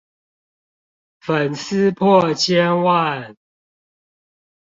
粉絲破千萬